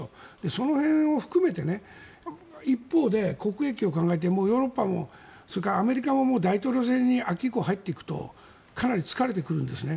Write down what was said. その辺を含めて一方で国益を考えてもヨーロッパもそれからアメリカも大統領選に秋以降入ってくるとかなり疲れてくるんですね。